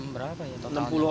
berapa ya totalnya